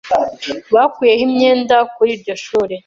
Bakuyeho imyenda kuri iryo shuri.